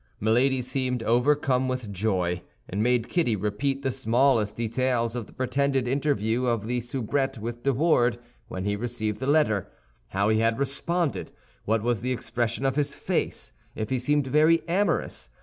Milady seemed overcome with joy, and made Kitty repeat the smallest details of the pretended interview of the soubrette with De Wardes when he received the letter; how he had responded; what was the expression of his face; if he seemed very amorous.